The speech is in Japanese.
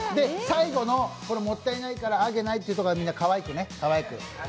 最後の「もったいないからあげない」というところはみんなかわいくね、かわいく。